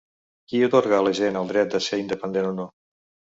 Qui atorga a la gent el dret de ser independent o no?